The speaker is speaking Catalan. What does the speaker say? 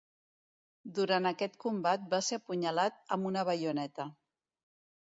Durant aquest combat va ser apunyalat amb una baioneta.